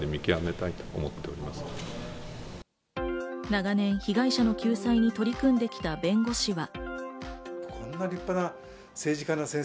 長年、被害者の救済に取り組んできた弁護士は。